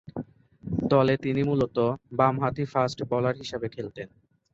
দলে তিনি মূলতঃ বামহাতি ফাস্ট বোলার হিসেবে খেলতেন।